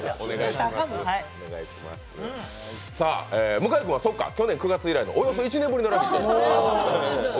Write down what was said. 向井君は去年９月以来、およそ１年ぶりの「ラヴィット！」。